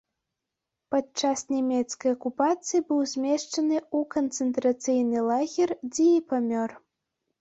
Падчас нямецкай акупацыі быў змешчаны ў канцэнтрацыйны лагер, дзе і памёр.